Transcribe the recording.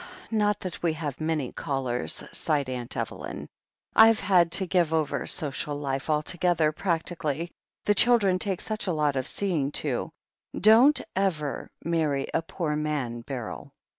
Not that we have many callers," sighed Aunt Evelyn. "I've had to give over social life altogether, practically; the children take such a lot of seeing to. Don't ever marry a poor man. Beryl."